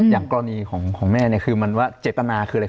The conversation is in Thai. อย่างกรณีของแม่เนี่ยคือมันว่าเจตนาคืออะไร